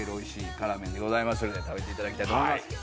辛麺でございますので食べていただきたいと思います。